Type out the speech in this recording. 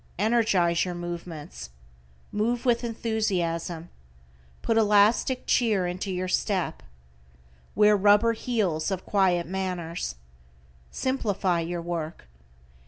Energize your movements. Move with enthusiasm. Put elastic cheer into your step. Wear rubber heels of quiet manners. Simplify your work.